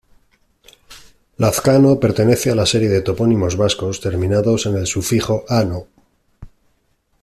Lazcano pertenece a la serie de topónimos vascos terminados en el sufijo "-ano".